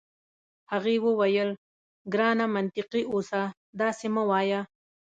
هغې وویل: ګرانه منطقي اوسه، داسي مه وایه.